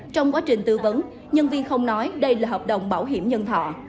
trong quá trình tư vấn nhân viên không nói đây là hợp đồng bảo hiểm nhân thọ